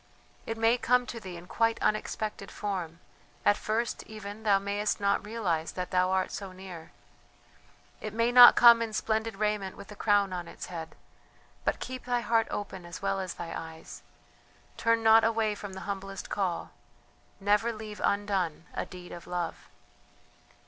It may come to thee in quite unexpected form at first even thou mayest not realize that thou art so near; it may not come in splendid raiment with a crown on its head, but keep thy heart open as well as thy eyes; turn not away from the humblest call, never leave undone a deed of love.